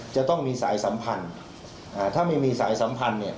จะต้องมีสายสัมพันธ์ถ้าไม่มีสายสัมพันธ์เนี่ย